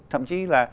thậm chí là